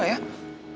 dia memang penting